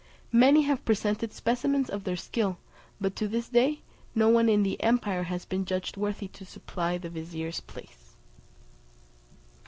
Many have presented specimens of their skill; but to this day, no one in the empire has been judged worthy to supply the vizier's place."